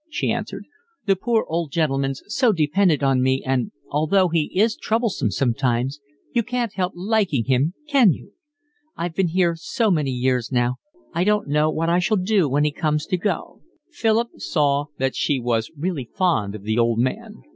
she answered. "The poor old gentleman's so dependent on me, and, although he is troublesome sometimes, you can't help liking him, can you? I've been here so many years now, I don't know what I shall do when he comes to go." Philip saw that she was really fond of the old man.